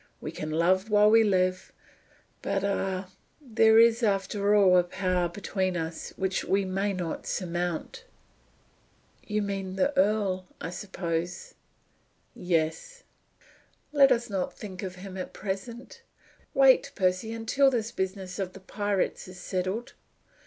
We can love while we live; but, ah, there is after all a power between us which we may not surmount." "You mean the earl?" "Yes." "Let us not think of him at present. Wait, Percy, until this business of the pirates is settled.